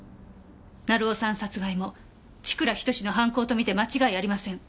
成尾さん殺害も千倉仁の犯行と見て間違いありません。